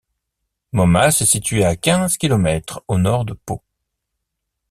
Momas est située à quinze kilomètres au nord de Pau.